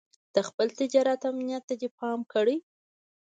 د خپل تجارت امنيت ته دې پام کړی.